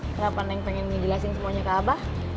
kenapa neng pengen ngejelasin semuanya ke abah